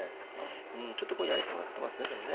うんちょっとこれやり損なってますねでもね。